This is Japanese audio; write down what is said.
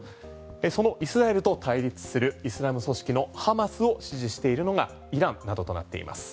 そのイスラエルと対立するイスラム組織のハマスを支持しているのがイランなどとなっています。